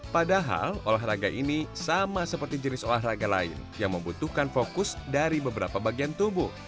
padahal olahraga ini sama seperti jenis olahraga lain yang membutuhkan fokus dari beberapa bagian tubuh